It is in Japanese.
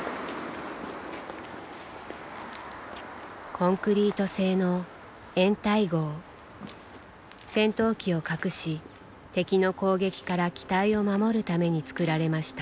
コンクリート製の戦闘機を隠し敵の攻撃から機体を守るために造られました。